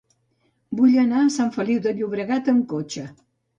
Vull anar a Sant Feliu de Llobregat amb cotxe.